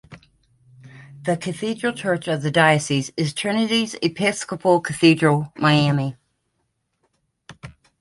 The cathedral church of the diocese is Trinity Episcopal Cathedral, Miami.